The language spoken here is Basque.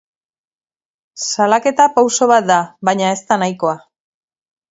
Salaketa pauso bat da, baina ez da nahikoa.